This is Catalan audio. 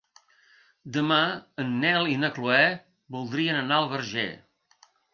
Demà en Nel i na Chloé voldrien anar al Verger.